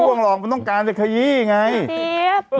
ไม่ให้ค่วงหรอกมันต้องการจะขยี้ไออ่ะไงไอจี๊ยบ